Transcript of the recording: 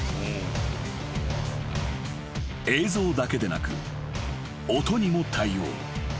［映像だけでなく音にも対応］